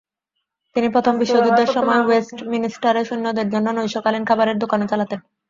তিনি প্রথম বিশ্বযুদ্ধের সময় ওয়েস্টমিনস্টারে সৈন্যদের জন্য নৈশকালীন খাবারের দোকানও চালাতেন।